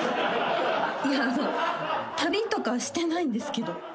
いやあの旅とかしてないんですけど。